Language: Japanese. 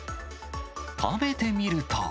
食べてみると。